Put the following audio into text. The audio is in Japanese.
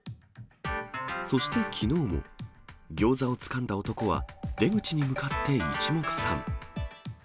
そしてきのうも、ギョーザをつかんだ男は、出口に向かっていちもくさん。